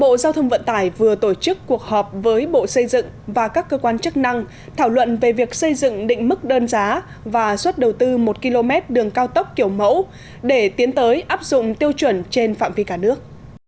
bộ giao thông vận tải vừa tổ chức cuộc họp với bộ xây dựng và các cơ quan chức năng thảo luận về việc xây dựng định mức đơn giá và suất đầu tư một km đường cao tốc kiểu mẫu để tiến tới áp dụng tiêu chuẩn trên phạm vi cả nước